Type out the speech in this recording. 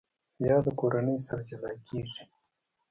یاده کورنۍ سره جلا کېږي.